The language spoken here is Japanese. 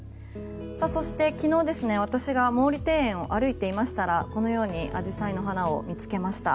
そして、昨日私が毛利庭園を歩いていましたらこのようにアジサイの花を見つけました。